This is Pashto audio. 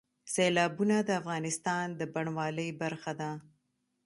سیلابونه د افغانستان د بڼوالۍ برخه ده.